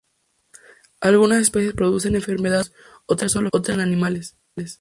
Algunas especies producen enfermedad en humanos, otras solo afectan a animales.